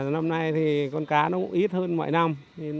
năm nay thì con cá nó cũng ít hơn mọi năm